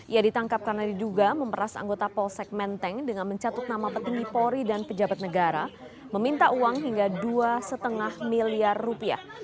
ia ditangkap karena diduga memeras anggota polsek menteng dengan mencatut nama petinggi polri dan pejabat negara meminta uang hingga dua lima miliar rupiah